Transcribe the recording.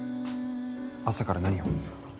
朝から何を？